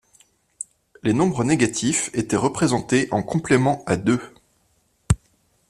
Les nombres négatifs étaient représentés en complément à deux.